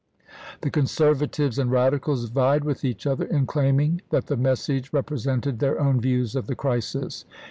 The conservatives and radicals vied with each other in claiming that the message rep resented their own views of the crisis.